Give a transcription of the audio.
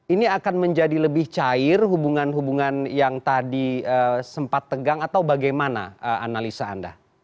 ini akan menjadi lebih cair hubungan hubungan yang tadi sempat tegang atau bagaimana analisa anda